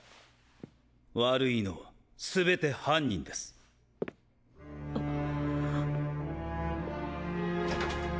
悪いのは全て犯人です。っ。